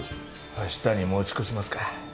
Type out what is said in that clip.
明日に持ち越しますか。